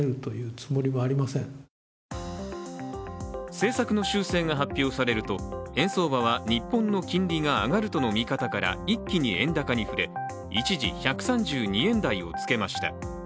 政策の修正が発表されると円相場は日本の金利が上がるとの見方から一気に円高に振れ、一時１３２円台をつけました。